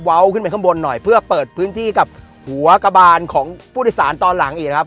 ขึ้นไปข้างบนหน่อยเพื่อเปิดพื้นที่กับหัวกระบานของผู้โดยสารตอนหลังอีกนะครับ